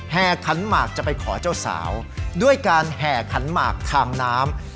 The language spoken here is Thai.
ขันหมากจะไปขอเจ้าสาวด้วยการแห่ขันหมากทางน้ำ